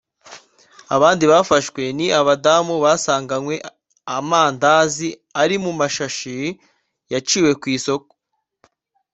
Abandi bafashwe ni abadamu basanganywe amandazi ari mu mashashi yaciwe ku isoko